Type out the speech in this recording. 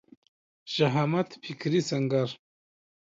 شهامت فکري سنګر